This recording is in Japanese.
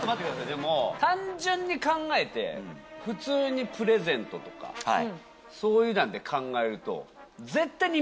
でも単純に考えて普通にプレゼントとかそういうので考えると。